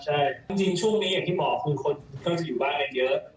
ใช่จริงช่วงนี้อย่างที่บอกคือคนก็จะอยู่บ้านกันเยอะ